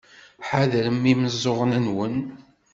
Ḥadrem imeẓẓuɣen-nwen.